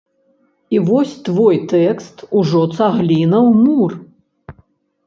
І вось твой тэкст ужо цагліна ў мур.